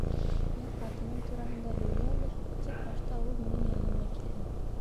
Йә, ҡатының тураһында һөйлә ле, Тик башта ул минең яныма килһен.